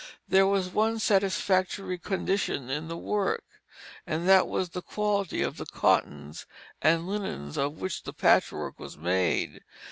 There was one satisfactory condition in the work, and that was the quality of the cottons and linens of which the patchwork was made.